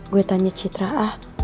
gue tanya citra ah